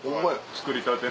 作りたて。